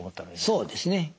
そうですね。